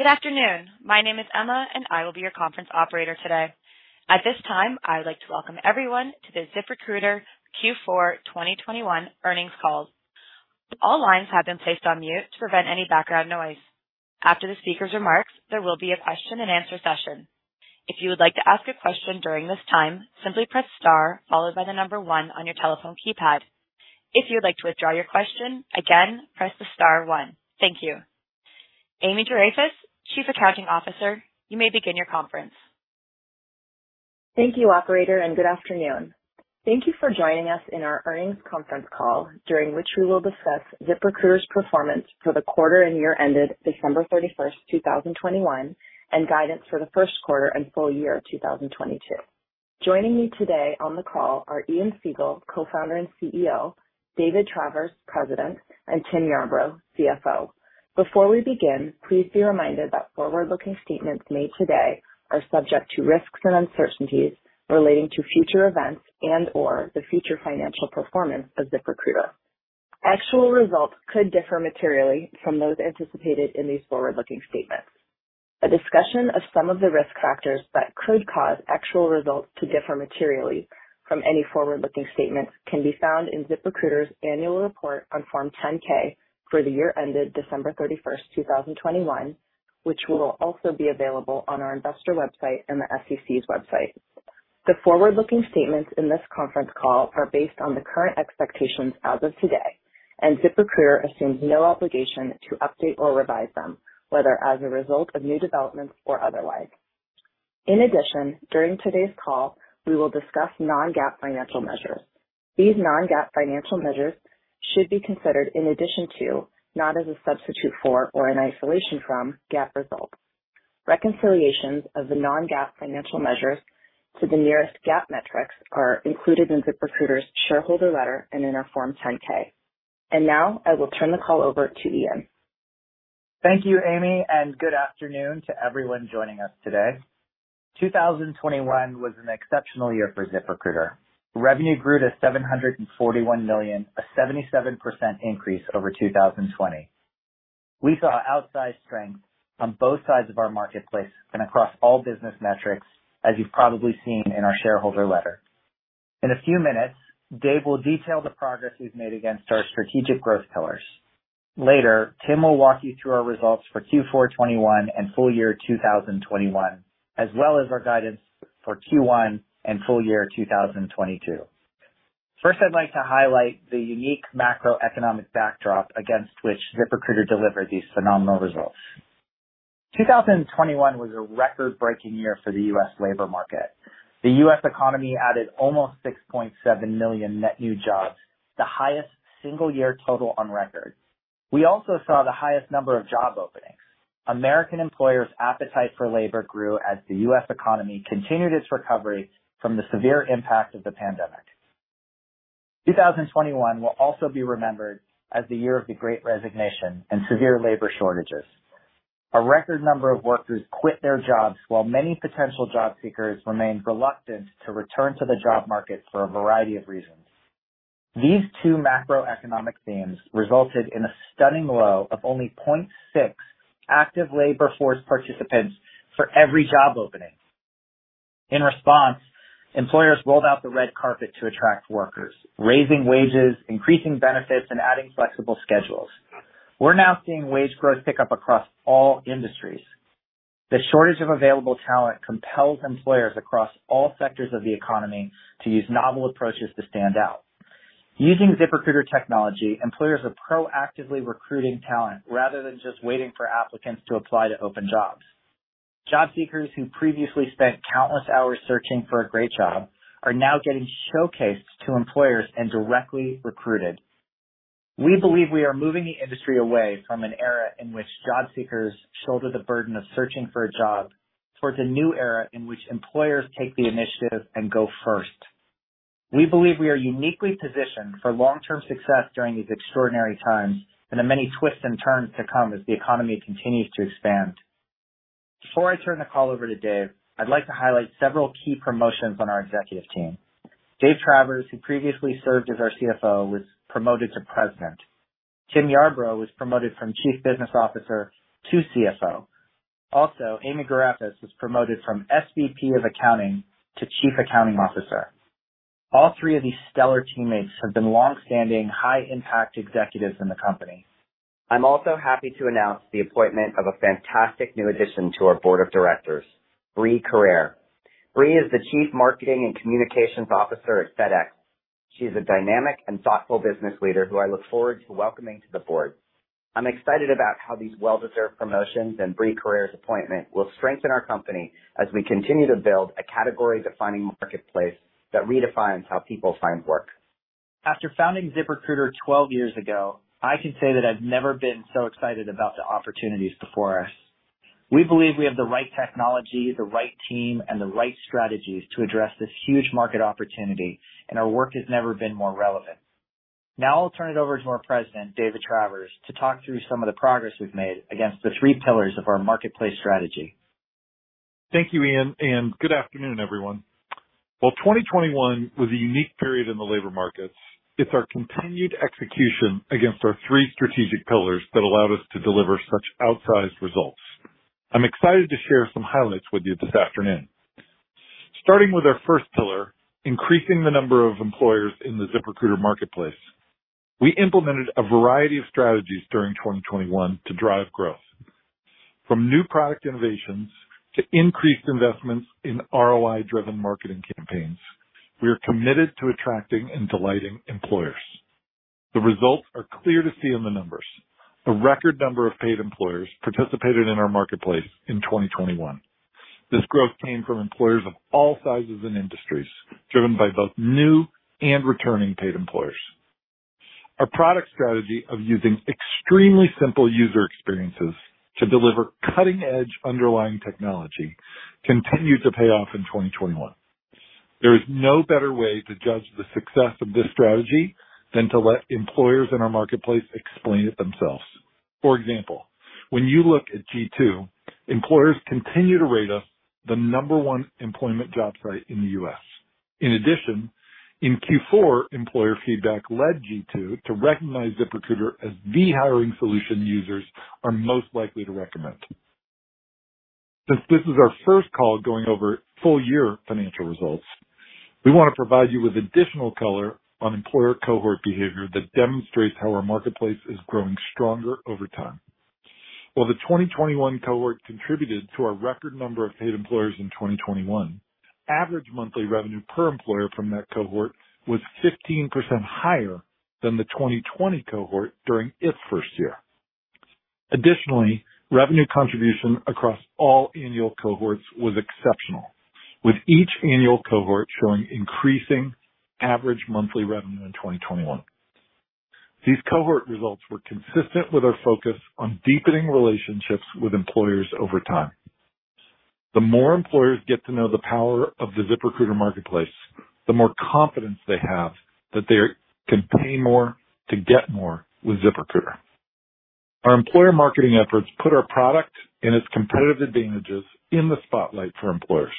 Good afternoon. My name is Emma, and I will be your conference operator today. At this time, I would like to welcome everyone to the ZipRecruiter Q4 2021 earnings call. All lines have been placed on mute to prevent any background noise. After the speaker's remarks, there will be a question-and-answer session. If you would like to ask a question during this time, simply press star followed by the number one on your telephone keypad. If you would like to withdraw your question, again, press the star one. Thank you. Amy Garefis, Chief Accounting Officer, you may begin your conference. Thank you, operator, and good afternoon. Thank you for joining us in our earnings conference call, during which we will discuss ZipRecruiter's performance for the quarter and year ended December 31, 2021, and guidance for the first quarter and full year 2022. Joining me today on the call are Ian Siegel, Co-founder and CEO, David Travers, President, and Tim Yarbrough, CFO. Before we begin, please be reminded that forward-looking statements made today are subject to risks and uncertainties relating to future events and/or the future financial performance of ZipRecruiter. Actual results could differ materially from those anticipated in these forward-looking statements. A discussion of some of the risk factors that could cause actual results to differ materially from any forward-looking statements can be found in ZipRecruiter's annual report on Form 10-K for the year ended December 31, 2021, which will also be available on our investor website and the SEC's website. The forward-looking statements in this conference call are based on the current expectations as of today, and ZipRecruiter assumes no obligation to update or revise them, whether as a result of new developments or otherwise. In addition, during today's call, we will discuss non-GAAP financial measures. These non-GAAP financial measures should be considered in addition to, not as a substitute for or in isolation from, GAAP results. Reconciliations of the non-GAAP financial measures to the nearest GAAP metrics are included in ZipRecruiter's shareholder letter and in our Form 10-K. Now I will turn the call over to Ian. Thank you, Amy, and good afternoon to everyone joining us today. 2021 was an exceptional year for ZipRecruiter. Revenue grew to $741 million, a 77% increase over 2020. We saw outsized strength on both sides of our marketplace and across all business metrics, as you've probably seen in our shareholder letter. In a few minutes, Dave will detail the progress we've made against our strategic growth pillars. Later, Tim will walk you through our results for Q4 2021 and full year 2021, as well as our guidance for Q1 and full year 2022. First, I'd like to highlight the unique macroeconomic backdrop against which ZipRecruiter delivered these phenomenal results. 2021 was a record-breaking year for the U.S. labor market. The U.S. economy added almost 6.7 million net new jobs, the highest single year total on record. We also saw the highest number of job openings. American employers' appetite for labor grew as the U.S. economy continued its recovery from the severe impact of the pandemic. 2021 will also be remembered as the year of the Great Resignation and severe labor shortages. A record number of workers quit their jobs, while many potential job seekers remained reluctant to return to the job market for a variety of reasons. These two macroeconomic themes resulted in a stunning low of only 0.6 active labor force participants for every job opening. In response, employers rolled out the red carpet to attract workers, raising wages, increasing benefits, and adding flexible schedules. We're now seeing wage growth pick up across all industries. The shortage of available talent compels employers across all sectors of the economy to use novel approaches to stand out. Using ZipRecruiter technology, employers are proactively recruiting talent rather than just waiting for applicants to apply to open jobs. Job seekers who previously spent countless hours searching for a great job are now getting showcased to employers and directly recruited. We believe we are moving the industry away from an era in which job seekers shoulder the burden of searching for a job, towards a new era in which employers take the initiative and go first. We believe we are uniquely positioned for long-term success during these extraordinary times and the many twists and turns to come as the economy continues to expand. Before I turn the call over to Dave, I'd like to highlight several key promotions on our executive team. Dave Travers, who previously served as our CFO, was promoted to president. Tim Yarbrough was promoted from Chief Business Officer to CFO. Also, Amy Garefis was promoted from SVP of Accounting to Chief Accounting Officer. All three of these stellar teammates have been longstanding, high-impact executives in the company. I'm also happy to announce the appointment of a fantastic new addition to our board of directors, Brie Carere. Brie is the Chief Marketing and Communications Officer at FedEx. She's a dynamic and thoughtful business leader who I look forward to welcoming to the board. I'm excited about how these well-deserved promotions and Brie Carere's appointment will strengthen our company as we continue to build a category-defining marketplace that redefines how people find work. After founding ZipRecruiter 12 years ago, I can say that I've never been so excited about the opportunities before us. We believe we have the right technology, the right team, and the right strategies to address this huge market opportunity, and our work has never been more relevant. Now, I'll turn it over to our President, David Travers, to talk through some of the progress we've made against the three pillars of our marketplace strategy. Thank you, Ian, and good afternoon, everyone. While 2021 was a unique period in the labor markets, it's our continued execution against our three strategic pillars that allowed us to deliver such outsized results. I'm excited to share some highlights with you this afternoon, starting with our first pillar, increasing the number of employers in the ZipRecruiter marketplace. We implemented a variety of strategies during 2021 to drive growth from new product innovations to increased investments in ROI-driven marketing campaigns. We are committed to attracting and delighting employers. The results are clear to see in the numbers. A record number of paid employers participated in our marketplace in 2021. This growth came from employers of all sizes and industries, driven by both new and returning paid employers. Our product strategy of using extremely simple user experiences to deliver cutting-edge underlying technology continued to pay off in 2021. There is no better way to judge the success of this strategy than to let employers in our marketplace explain it themselves. For example, when you look at G2, employers continue to rate us the number one employment job site in the U.S. In addition, in Q4, employer feedback led G2 to recognize ZipRecruiter as the hiring solution users are most likely to recommend. Since this is our first call going over full-year financial results, we wanna provide you with additional color on employer cohort behavior that demonstrates how our marketplace is growing stronger over time. While the 2021 cohort contributed to our record number of paid employers in 2021, average monthly revenue per employer from that cohort was 15% higher than the 2020 cohort during its first year. Additionally, revenue contribution across all annual cohorts was exceptional, with each annual cohort showing increasing average monthly revenue in 2021. These cohort results were consistent with our focus on deepening relationships with employers over time. The more employers get to know the power of the ZipRecruiter marketplace, the more confidence they have that they can pay more to get more with ZipRecruiter. Our employer marketing efforts put our product and its competitive advantages in the spotlight for employers.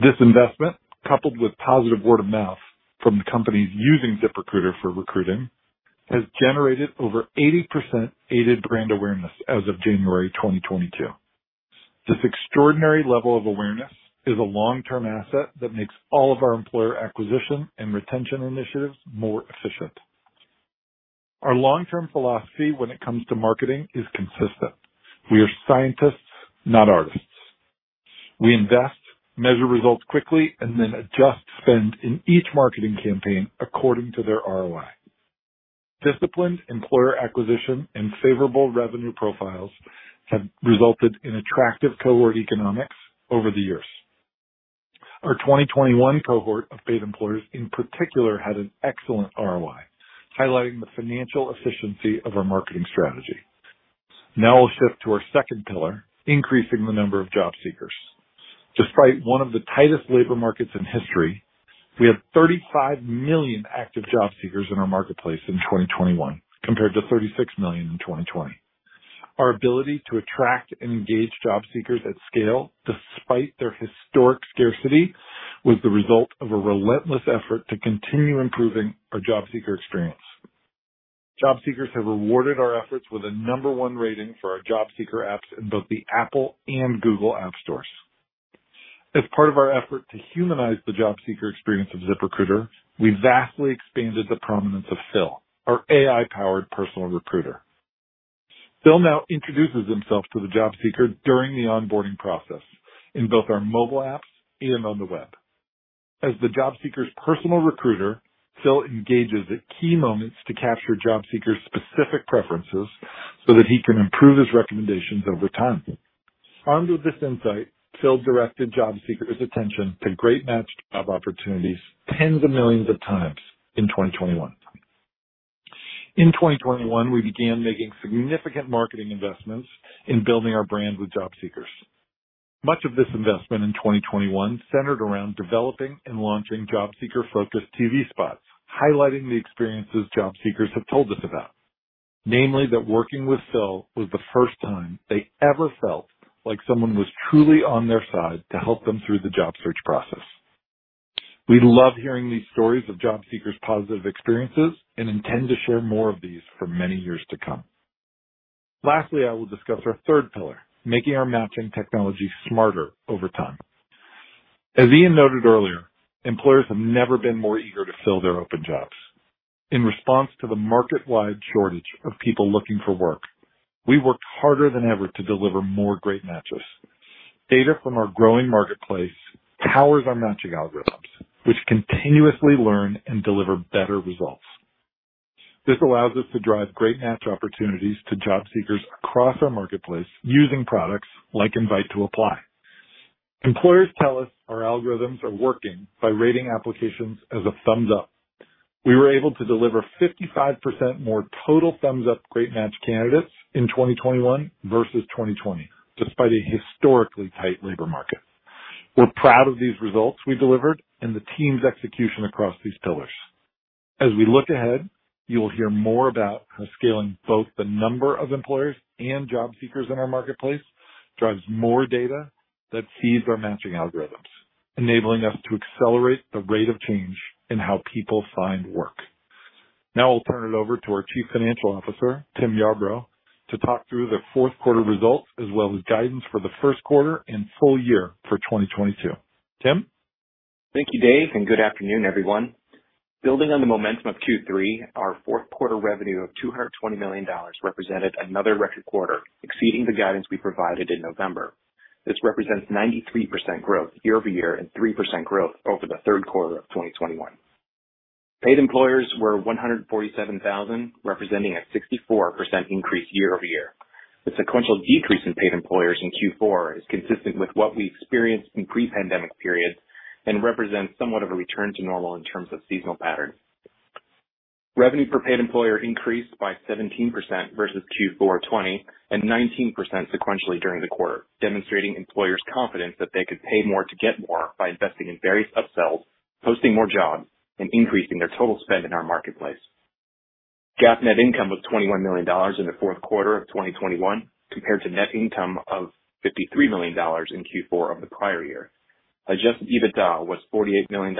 This investment, coupled with positive word of mouth from the companies using ZipRecruiter for recruiting, has generated over 80% aided brand awareness as of January 2022. This extraordinary level of awareness is a long-term asset that makes all of our employer acquisition and retention initiatives more efficient. Our long-term philosophy when it comes to marketing is consistent. We are scientists, not artists. We invest, measure results quickly, and then adjust spend in each marketing campaign according to their ROI. Disciplined employer acquisition and favorable revenue profiles have resulted in attractive cohort economics over the years. Our 2021 cohort of paid employers in particular, had an excellent ROI, highlighting the financial efficiency of our marketing strategy. Now we'll shift to our second pillar, increasing the number of job seekers. Despite one of the tightest labor markets in history, we have 35 million active job seekers in our marketplace in 2021, compared to 36 million in 2020. Our ability to attract and engage job seekers at scale, despite their historic scarcity, was the result of a relentless effort to continue improving our job seeker experience. Job seekers have rewarded our efforts with a number one rating for our job seeker apps in both the Apple and Google App Stores. As part of our effort to humanize the job seeker experience of ZipRecruiter, we vastly expanded the prominence of Phil, our AI-powered personal recruiter. Phil now introduces himself to the job seeker during the onboarding process in both our mobile apps and on the web. As the job seeker's personal recruiter, Phil engages at key moments to capture job seekers' specific preferences so that he can improve his recommendations over time. Armed with this insight, Phil directed job seekers' attention to great matched job opportunities tens of millions of times in 2021. In 2021, we began making significant marketing investments in building our brand with job seekers. Much of this investment in 2021 centered around developing and launching job seeker-focused TV spots, highlighting the experiences job seekers have told us about. Namely, that working with Phil was the first time they ever felt like someone was truly on their side to help them through the job search process. We love hearing these stories of job seekers' positive experiences and intend to share more of these for many years to come. Lastly, I will discuss our third pillar, making our matching technology smarter over time. As Ian noted earlier, employers have never been more eager to fill their open jobs. In response to the market-wide shortage of people looking for work, we worked harder than ever to deliver more great matches. Data from our growing marketplace powers our matching algorithms, which continuously learn and deliver better results. This allows us to drive great match opportunities to job seekers across our marketplace using products like Invite to Apply. Employers tell us our algorithms are working by rating applications as a thumbs up. We were able to deliver 55% more total thumbs up great match candidates in 2021 versus 2020, despite a historically tight labor market. We're proud of these results we delivered and the team's execution across these pillars. As we look ahead, you will hear more about how scaling both the number of employers and job seekers in our marketplace drives more data that feeds our matching algorithms, enabling us to accelerate the rate of change in how people find work. Now I'll turn it over to our Chief Financial Officer, Tim Yarbrough, to talk through the fourth quarter results as well as guidance for the first quarter and full year for 2022. Tim? Thank you, Dave, and good afternoon, everyone. Building on the momentum of Q3, our fourth quarter revenue of $220 million represented another record quarter, exceeding the guidance we provided in November. This represents 93% growth year-over-year and 3% growth over the third quarter of 2021. Paid employers were 147,000, representing a 64% increase year-over-year. The sequential decrease in paid employers in Q4 is consistent with what we experienced in pre-pandemic periods and represents somewhat of a return to normal in terms of seasonal patterns. Revenue per paid employer increased by 17% versus Q4 2020 and 19% sequentially during the quarter, demonstrating employers' confidence that they could pay more to get more by investing in various upsells, posting more jobs, and increasing their total spend in our marketplace. GAAP net income was $21 million in the fourth quarter of 2021 compared to net income of $53 million in Q4 of the prior year. Adjusted EBITDA was $48 million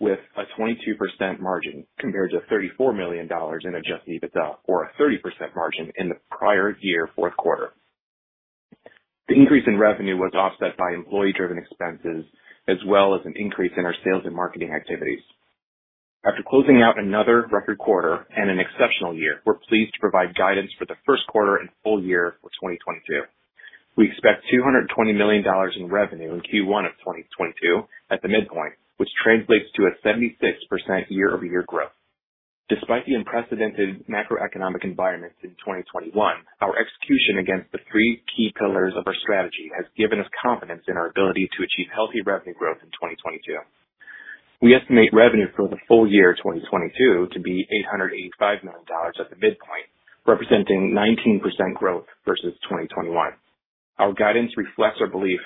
with a 22% margin compared to $34 million in adjusted EBITDA or a 30% margin in the prior year fourth quarter. The increase in revenue was offset by employee-driven expenses as well as an increase in our sales and marketing activities. After closing out another record quarter and an exceptional year, we're pleased to provide guidance for the first quarter and full year for 2022. We expect $220 million in revenue in Q1 of 2022 at the midpoint, which translates to a 76% year-over-year growth. Despite the unprecedented macroeconomic environment in 2021, our execution against the three key pillars of our strategy has given us confidence in our ability to achieve healthy revenue growth in 2022. We estimate revenue for the full year 2022 to be $885 million at the midpoint, representing 19% growth versus 2021. Our guidance reflects our belief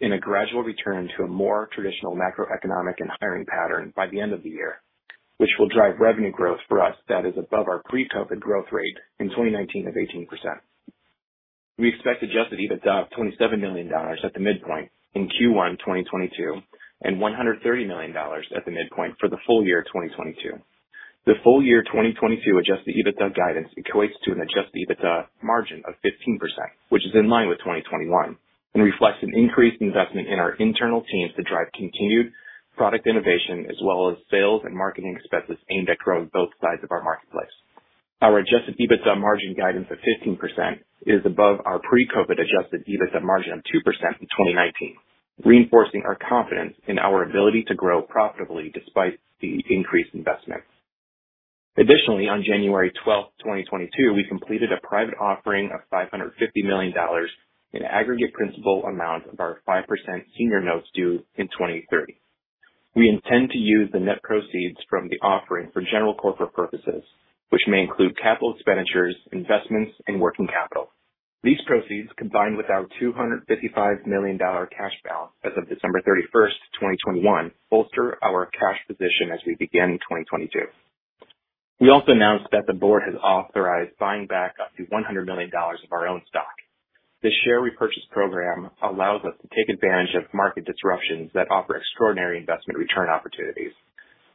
in a gradual return to a more traditional macroeconomic and hiring pattern by the end of the year, which will drive revenue growth for us that is above our pre-COVID growth rate in 2019 of 18%. We expect adjusted EBITDA of $27 million at the midpoint in Q1 2022, and $130 million at the midpoint for the full year 2022. The full year 2022 Adjusted EBITDA guidance equates to an Adjusted EBITDA margin of 15%, which is in line with 2021, and reflects an increased investment in our internal teams to drive continued product innovation as well as sales and marketing expenses aimed at growing both sides of our marketplace. Our Adjusted EBITDA margin guidance of 15% is above our pre-COVID Adjusted EBITDA margin of 2% in 2019, reinforcing our confidence in our ability to grow profitably despite the increased investment. Additionally, on January 12, 2022, we completed a private offering of $550 million in aggregate principal amount of our 5% senior notes due 2030. We intend to use the net proceeds from the offering for general corporate purposes, which may include capital expenditures, investments, and working capital. These proceeds, combined with our $255 million cash balance as of December 31, 2021, bolster our cash position as we begin 2022. We also announced that the board has authorized buying back up to $100 million of our own stock. The share repurchase program allows us to take advantage of market disruptions that offer extraordinary investment return opportunities.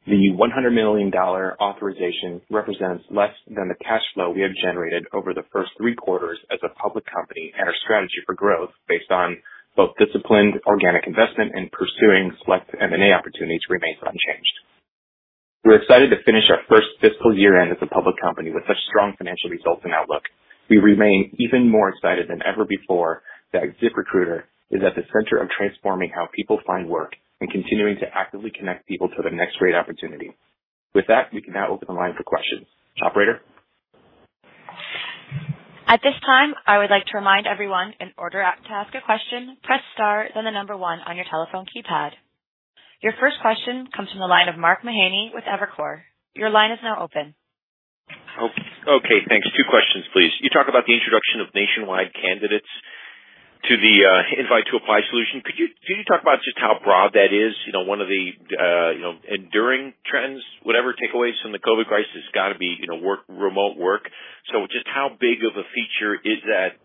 The $100 million authorization represents less than the cash flow we have generated over the first three quarters as a public company, and our strategy for growth based on both disciplined organic investment and pursuing select M&A opportunities remains unchanged. We're excited to finish our first fiscal year-end as a public company with such strong financial results and outlook. We remain even more excited than ever before that ZipRecruiter is at the center of transforming how people find work and continuing to actively connect people to their next great opportunity. With that, we can now open the line for questions. Operator? At this time, I would like to remind everyone in order to ask a question, press star then 1 on your telephone keypad. Your first question comes from the line of Mark Mahaney with Evercore ISI. Your line is now open. Okay, thanks. Two questions, please. You talk about the introduction of nationwide candidates to the Invite to Apply solution. Can you talk about just how broad that is? You know, one of the you know, enduring trends, whatever takeaways from the COVID crisis has got to be, you know, work, remote work. So just how big of a feature is that?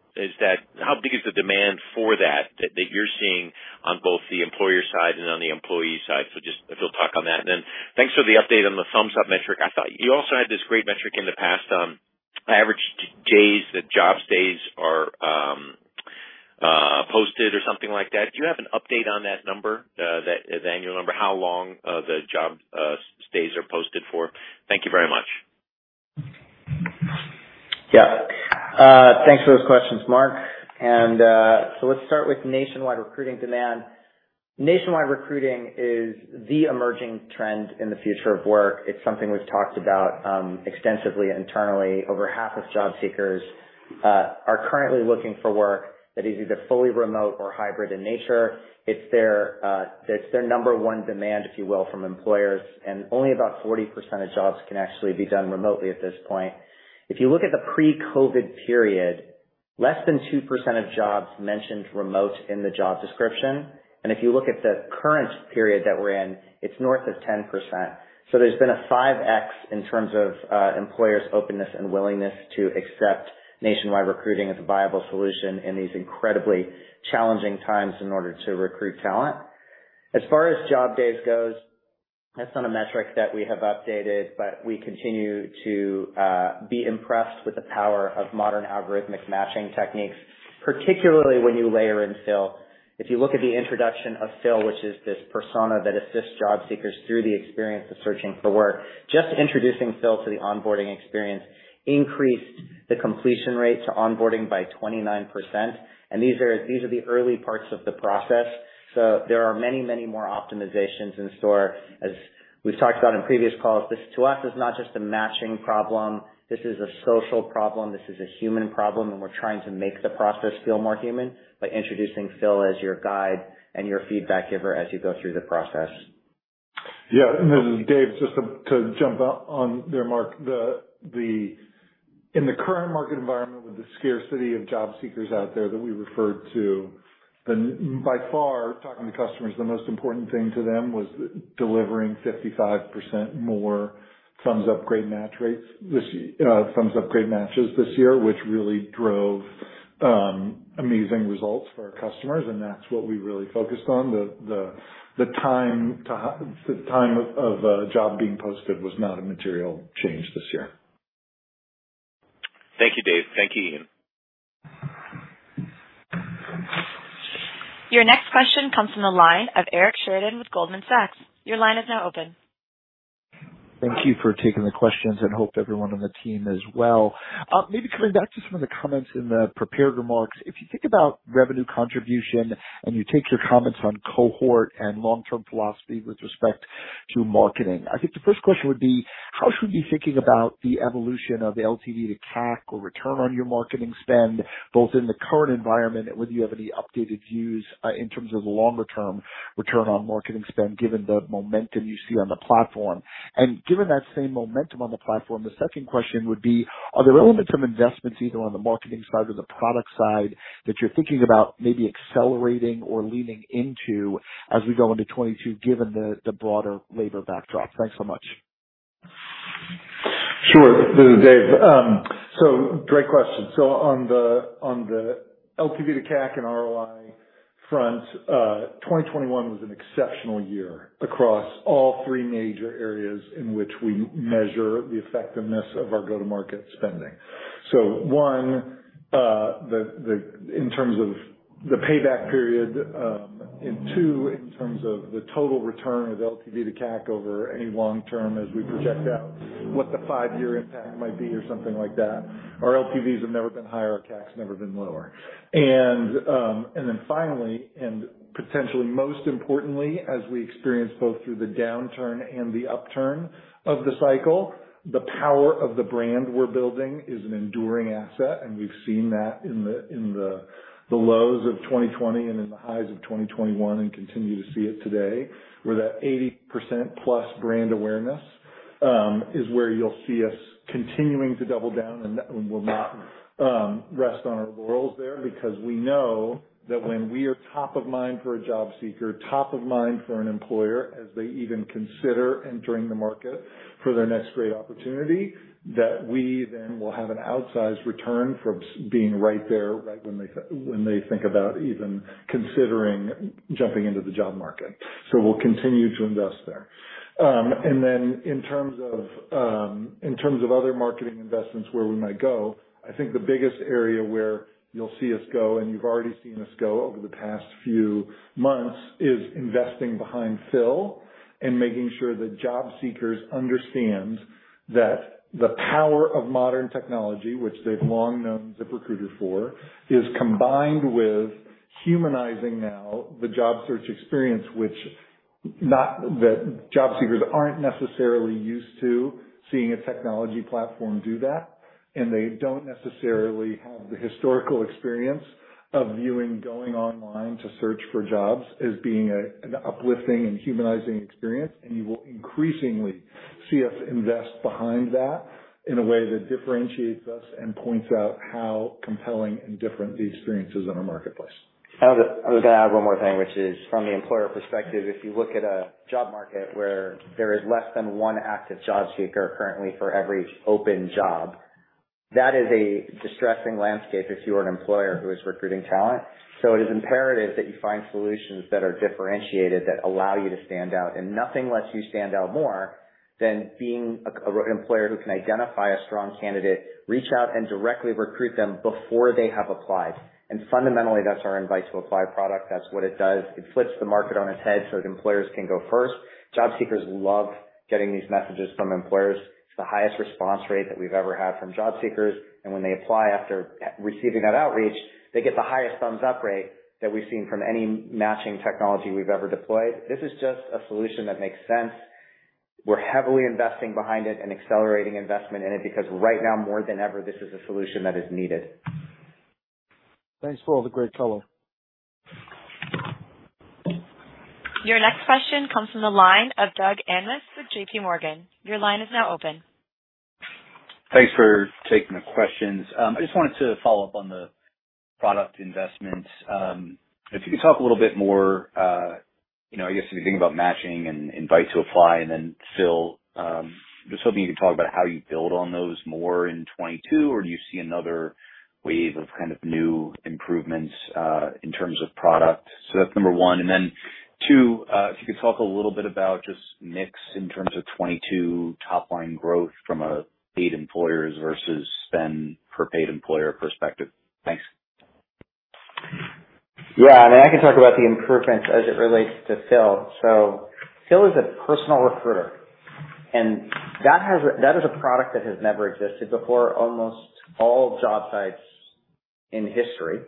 How big is the demand for that you're seeing on both the employer side and on the employee side? So just if you'll talk on that. Thanks for the update on the thumbs up metric. I thought you also had this great metric in the past on average days that jobs stay posted or something like that. Do you have an update on that number? That annual number, how long the jobs stay posted for? Thank you very much. Yeah. Thanks for those questions, Mark. Let's start with nationwide recruiting demand. Nationwide recruiting is the emerging trend in the future of work. It's something we've talked about, extensively and internally. Over half of job seekers are currently looking for work that is either fully remote or hybrid in nature. It's their number one demand, if you will, from employers. Only about 40% of jobs can actually be done remotely at this point. If you look at the pre-COVID period. Less than 2% of jobs mentioned remote in the job description. If you look at the current period that we're in, it's north of 10%. There's been a 5x in terms of employers openness and willingness to accept nationwide recruiting as a viable solution in these incredibly challenging times in order to recruit talent. As far as job days goes, that's not a metric that we have updated, but we continue to be impressed with the power of modern algorithmic matching techniques, particularly when you layer in Phil. If you look at the introduction of Phil, which is this persona that assists job seekers through the experience of searching for work. Just introducing Phil to the onboarding experience increased the completion rate to onboarding by 29%. These are the early parts of the process. There are many, many more optimizations in store. As we've talked about in previous calls, this to us is not just a matching problem, this is a social problem, this is a human problem, and we're trying to make the process feel more human by introducing Phil as your guide and your feedback giver as you go through the process. Yeah. This is Dave. Just to jump on there, Mark. In the current market environment with the scarcity of job seekers out there that we referred to, by far, talking to customers, the most important thing to them was delivering 55% more thumbs up great match rates this year, thumbs up great matches this year, which really drove amazing results for our customers, and that's what we really focused on. The time of a job being posted was not a material change this year. Thank you, Dave. Thank you, Ian. Your next question comes from the line of Eric Sheridan with Goldman Sachs. Your line is now open. Thank you for taking the questions and hope everyone on the team is well. Maybe coming back to some of the comments in the prepared remarks. If you think about revenue contribution and you take your comments on cohort and long-term philosophy with respect to marketing, I think the first question would be. How should we be thinking about the evolution of LTV to CAC or return on your marketing spend, both in the current environment, and whether you have any updated views, in terms of the longer-term return on marketing spend, given the momentum you see on the platform? Given that same momentum on the platform, the second question would be. Are there elements of investments, either on the marketing side or the product side, that you're thinking about maybe accelerating or leaning into as we go into 2022, given the broader labor backdrop? Thanks so much. Sure. This is Dave. Great question. On the LTV to CAC and ROI front, 2021 was an exceptional year across all three major areas in which we measure the effectiveness of our go-to-market spending. One, in terms of the payback period. Two, in terms of the total return of LTV to CAC over any long term as we project out what the five-year impact might be or something like that. Our LTVs have never been higher, our CACs never been lower. And then finally, and potentially most importantly, as we experience both through the downturn and the upturn of the cycle, the power of the brand we're building is an enduring asset, and we've seen that in the lows of 2020 and in the highs of 2021 and continue to see it today. Where that 80%+ brand awareness is where you'll see us continuing to double down, and we're not resting on our laurels there, because we know that when we are top of mind for a job seeker, top of mind for an employer, as they even consider entering the market for their next great opportunity, that we then will have an outsized return from being right there, right when they think about even considering jumping into the job market. We'll continue to invest there. In terms of other marketing investments where we might go, I think the biggest area where you'll see us go, and you've already seen us go over the past few months, is investing behind Phil and making sure that job seekers understand that the power of modern technology, which they've long known ZipRecruiter for, is combined with humanizing now the job search experience, which not that job seekers aren't necessarily used to seeing a technology platform do that, and they don't necessarily have the historical experience of viewing going online to search for jobs as being an uplifting and humanizing experience. You will increasingly see us invest behind that in a way that differentiates us and points out how compelling and different the experience is in our marketplace. I was gonna add one more thing, which is from the employer perspective, if you look at a job market where there is less than one active job seeker currently for every open job, that is a distressing landscape if you are an employer who is recruiting talent. It is imperative that you find solutions that are differentiated, that allow you to stand out, and nothing lets you stand out more than being an employer who can identify a strong candidate, reach out and directly recruit them before they have applied. Fundamentally, that's our Invite to Apply product. That's what it does. It flips the market on its head so that employers can go first. Job seekers love getting these messages from employers. It's the highest response rate that we've ever had from job seekers. When they apply after receiving that outreach, they get the highest thumbs up rate that we've seen from any matching technology we've ever deployed. This is just a solution that makes sense. We're heavily investing behind it and accelerating investment in it, because right now, more than ever, this is a solution that is needed. Thanks for all the great color. Your next question comes from the line of Doug Anmuth with JPMorgan. Your line is now open. Thanks for taking the questions. I just wanted to follow up on the product investments. If you could talk a little bit more, you know, I guess if you think about matching and Invite to Apply and then Phil, just hoping you could talk about how you build on those more in 2022, or do you see another wave of kind of new improvements, in terms of product? So that's number one. Two, if you could talk a little bit about just mix in terms of 2022 top line growth from a paid employers versus spend per paid employer perspective. Thanks. I can talk about the improvements as it relates to Phil. Phil is a personal recruiter, and that is a product that has never existed before. Almost all job sites in history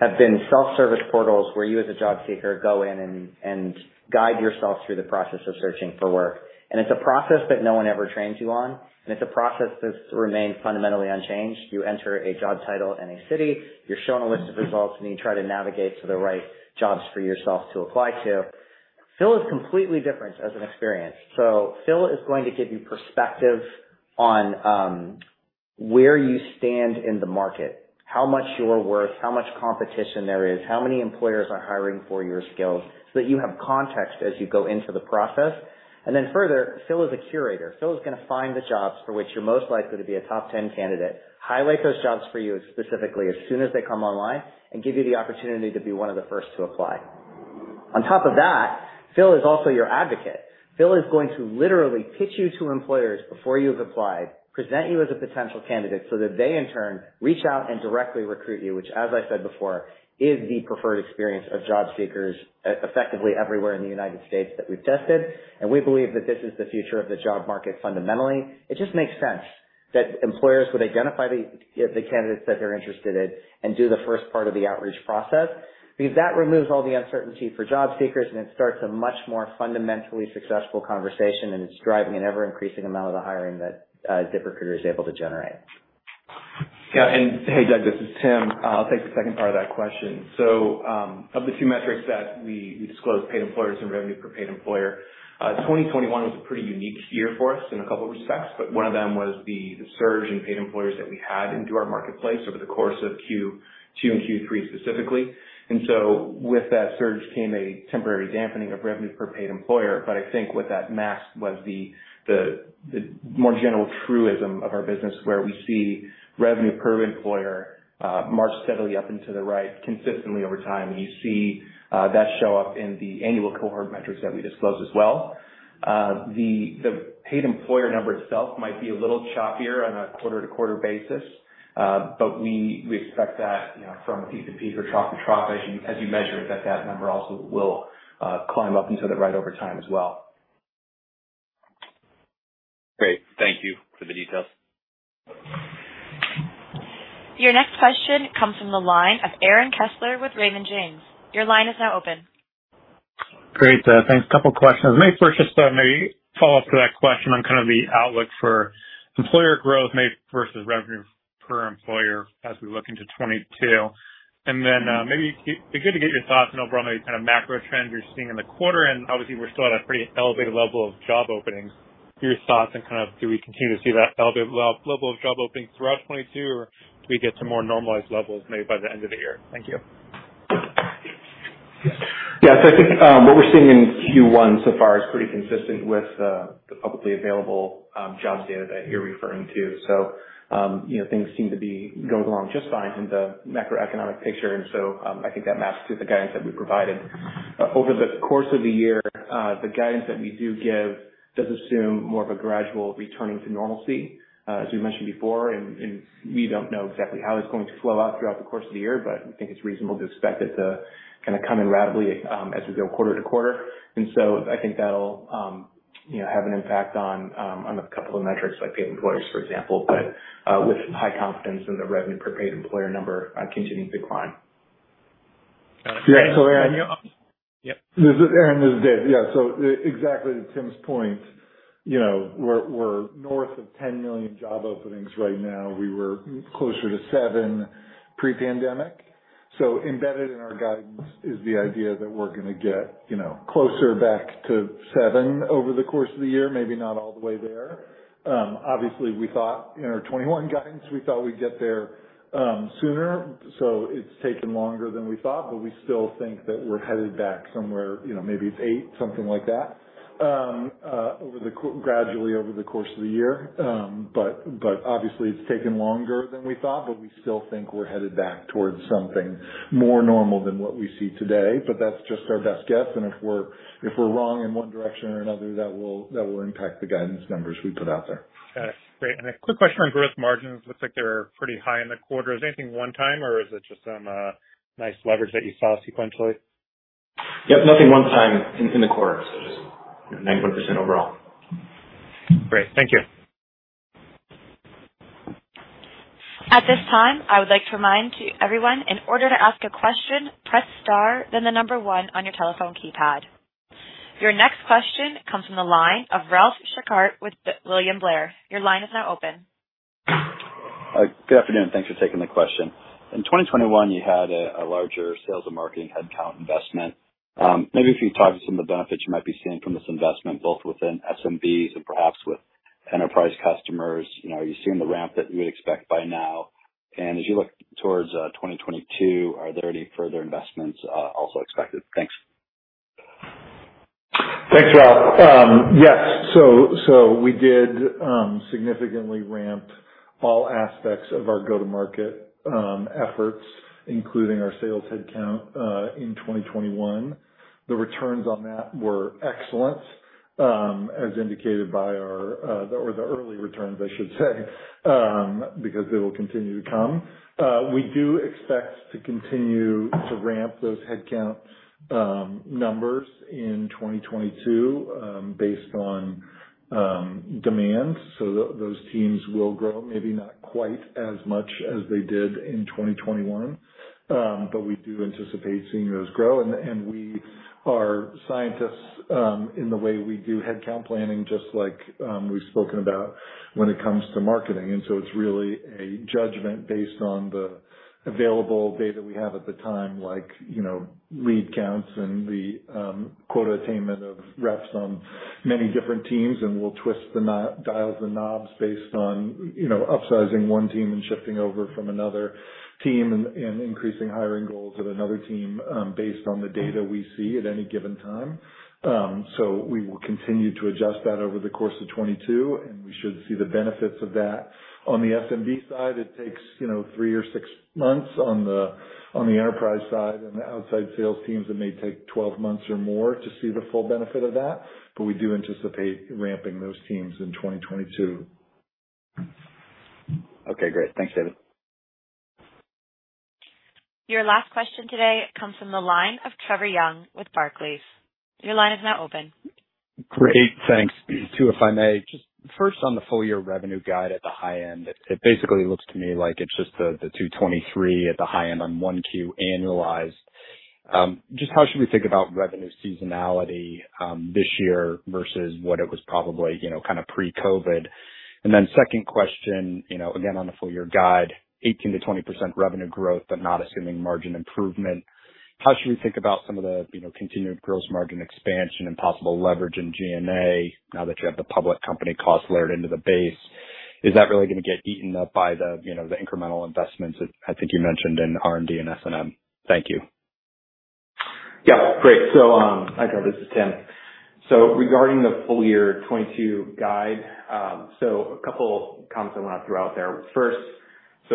have been self-service portals where you as a job seeker go in and guide yourself through the process of searching for work. It's a process that no one ever trains you on, and it's a process that's remained fundamentally unchanged. You enter a job title and a city, you're shown a list of results, and you try to navigate to the right jobs for yourself to apply to. Phil is completely different as an experience. Phil is going to give you perspective on where you stand in the market, how much you're worth, how much competition there is, how many employers are hiring for your skills, so that you have context as you go into the process. Further, Phil is a curator. Phil is gonna find the jobs for which you're most likely to be a top 10 candidate, highlight those jobs for you specifically as soon as they come online and give you the opportunity to be one of the first to apply. On top of that, Phil is also your advocate. Phil is going to literally pitch you to employers before you've applied, present you as a potential candidate so that they in turn reach out and directly recruit you, which as I said before, is the preferred experience of job seekers effectively everywhere in the United States that we've tested. We believe that this is the future of the job market fundamentally. It just makes sense that employers would identify the candidates that they're interested in and do the first part of the outreach process because that removes all the uncertainty for job seekers and it starts a much more fundamentally successful conversation, and it's driving an ever increasing amount of the hiring that ZipRecruiter is able to generate. Yeah. Hey, Doug, this is Tim. I'll take the second part of that question. Of the two metrics that we disclosed, paid employers and revenue per paid employer, 2021 was a pretty unique year for us in a couple respects, but one of them was the surge in paid employers that we had into our marketplace over the course of Q2 and Q3 specifically. With that surge came a temporary dampening of revenue per paid employer. I think what that masked was the more general truism of our business where we see revenue per employer march steadily up and to the right consistently over time. You see that show up in the annual cohort metrics that we disclose as well. The paid employer number itself might be a little choppier on a quarter-to-quarter basis, but we expect that, you know, from peak to peak or trough to trough as you measure it, that number also will climb up and to the right over time as well. Great. Thank you for the details. Your next question comes from the line of Aaron Kessler with Raymond James. Your line is now open. Great. Thanks. A couple questions. Maybe first just, maybe follow up to that question on kind of the outlook for employer growth maybe versus revenue per employer as we look into 2022. Then, maybe it'd be good to get your thoughts on overall maybe kind of macro trends you're seeing in the quarter. Obviously we're still at a pretty elevated level of job openings. Your thoughts and kind of do we continue to see that elevated level of job openings throughout 2022, or do we get to more normalized levels maybe by the end of the year? Thank you. Yeah. I think what we're seeing in Q1 so far is pretty consistent with the publicly available jobs data that you're referring to. You know, things seem to be going along just fine in the macroeconomic picture, and so I think that maps to the guidance that we provided. Over the course of the year, the guidance that we do give does assume more of a gradual returning to normalcy. As we mentioned before and we don't know exactly how it's going to flow out throughout the course of the year, but I think it's reasonable to expect it to kind of come in rapidly as we go quarter to quarter. I think that'll you know have an impact on a couple of metrics like paid employers, for example. with high confidence in the revenue per paid employer number continues to climb. Okay. Yeah. Aaron- Yep. This is Aaron. This is Dave. Yeah. Exactly to Tim's point, you know, we're north of 10 million job openings right now. We were closer to seven pre-pandemic. Embedded in our guidance is the idea that we're gonna get, you know, closer back to seven over the course of the year, maybe not all the way there. Obviously we thought in our 2021 guidance, we thought we'd get there sooner. It's taken longer than we thought, but we still think that we're headed back somewhere, you know, maybe it's eight, something like that, gradually over the course of the year. But obviously it's taken longer than we thought, but we still think we're headed back towards something more normal than what we see today. That's just our best guess, and if we're wrong in one direction or another, that will impact the guidance numbers we put out there. Got it. Great. A quick question on gross margins. Looks like they're pretty high in the quarter. Is anything one time or is it just some nice leverage that you saw sequentially? Yep. Nothing one-time in the quarter. Just 9% overall. Great. Thank you. At this time, I would like to remind everyone, in order to ask a question, press star then the number one on your telephone keypad. Your next question comes from the line of Ralph Schackart with William Blair. Your line is now open. Good afternoon. Thanks for taking the question. In 2021, you had a larger sales and marketing headcount investment. Maybe if you could talk to some of the benefits you might be seeing from this investment, both within SMBs and perhaps with enterprise customers. You know, are you seeing the ramp that you would expect by now? As you look towards 2022, are there any further investments also expected? Thanks. Thanks, Rob. Yes. We did significantly ramp all aspects of our go-to-market efforts, including our sales headcount in 2021. The returns on that were excellent, as indicated by our or the early returns, I should say, because they will continue to come. We do expect to continue to ramp those headcount numbers in 2022, based on demand. Those teams will grow, maybe not quite as much as they did in 2021. But we do anticipate seeing those grow. We are scientists in the way we do headcount planning, just like we've spoken about when it comes to marketing. It's really a judgment based on the available data we have at the time, like, you know, lead counts and the quota attainment of reps on many different teams. We'll twist the dials and knobs based on, you know, upsizing one team and shifting over from another team and increasing hiring goals of another team, based on the data we see at any given time. We will continue to adjust that over the course of 2022, and we should see the benefits of that. On the SMB side, it takes, you know, 3 or 6 months. On the enterprise side and the outside sales teams, it may take 12 months or more to see the full benefit of that. We do anticipate ramping those teams in 2022. Okay, great. Thanks, David. Your last question today comes from the line of Trevor Young with Barclays. Your line is now open. Great. Thanks. Two if I may. Just first, on the full year revenue guide at the high end, it basically looks to me like it's just the 2023 at the high end on Q1 annualized. Just how should we think about revenue seasonality this year versus what it was probably, you know, kind of pre-COVID? Then second question, you know, again, on the full year guide, 18%-20% revenue growth, but not assuming margin improvement. How should we think about some of the, you know, continued gross margin expansion and possible leverage in G&A now that you have the public company costs layered into the base? Is that really gonna get eaten up by the, you know, the incremental investments that I think you mentioned in R&D and S&M? Thank you. Yeah. Great. Hi, Trevor, this is Tim. Regarding the full year 2022 guide, a couple comments I want to throw out there. First,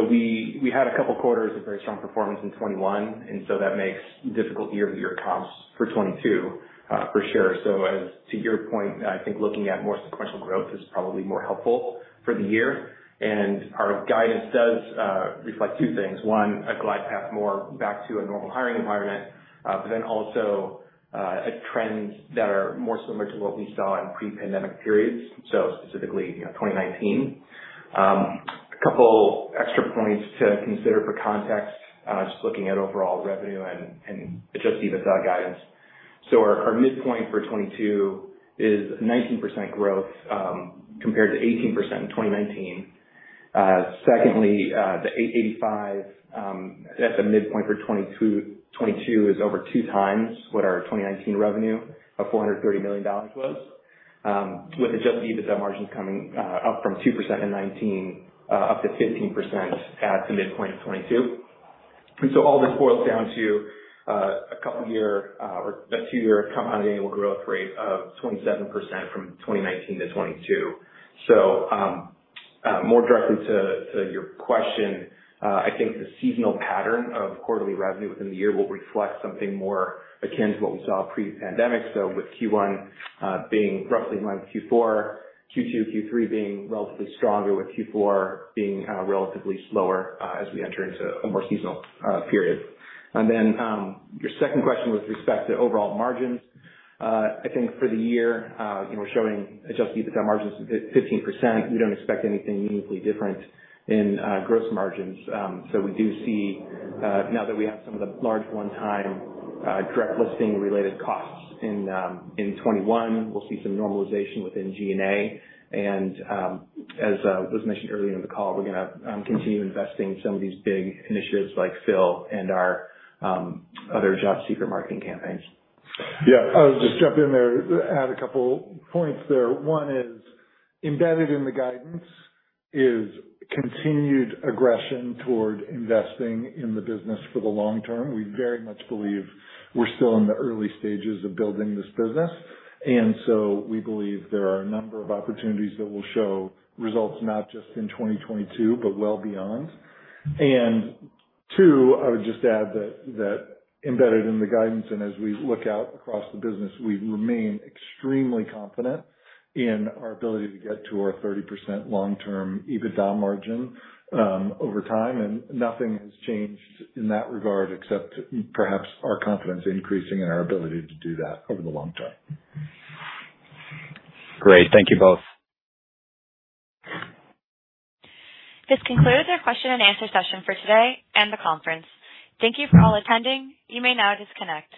we had a couple quarters of very strong performance in 2021, and that makes difficult year-over-year comps for 2022, for sure. As to your point, I think looking at more sequential growth is probably more helpful for the year. Our guidance does reflect two things. One, a glide path more back to a normal hiring environment. But also a trend that are more similar to what we saw in pre-pandemic periods, specifically, you know, 2019. A couple extra points to consider for context, just looking at overall revenue and adjusted EBITDA guidance. Our midpoint for 2022 is 19% growth, compared to 18% in 2019. Secondly, $885 at the midpoint for 2022 is over two times what our 2019 revenue of $430 million was. With Adjusted EBITDA margins coming up from 2% in 2019 up to 15% at the midpoint of 2022. All this boils down to a two-year compound annual growth rate of 27% from 2019 to 2022. More directly to your question, I think the seasonal pattern of quarterly revenue within the year will reflect something more akin to what we saw pre-pandemic. With Q1 being roughly in line with Q4, Q2, Q3 being relatively stronger, with Q4 being relatively slower as we enter into a more seasonal period. Your second question with respect to overall margins, I think for the year, you know, we're showing Adjusted EBITDA margins at 15%. We don't expect anything meaningfully different in gross margins. We do see now that we have some of the large one-time direct listing-related costs in 2021, we'll see some normalization within G&A. As was mentioned earlier in the call, we're gonna continue investing in some of these big initiatives like Phil and our other job seeker marketing campaigns. Yeah. I'll just jump in there. Add a couple points there. One is, embedded in the guidance, is continued aggression toward investing in the business for the long term. We very much believe we're still in the early stages of building this business, and so we believe there are a number of opportunities that will show results not just in 2022, but well beyond. Two, I would just add that embedded in the guidance and as we look out across the business, we remain extremely confident in our ability to get to our 30% long-term EBITDA margin over time. Nothing has changed in that regard, except perhaps our confidence increasing in our ability to do that over the long term. Great. Thank you both. This concludes our question and answer session for today and the conference. Thank you for all attending. You may now disconnect.